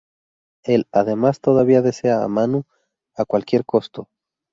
Él, además, todavía desea a Manu a cualquier costo.